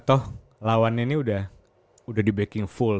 toh lawannya ini sudah dibacking full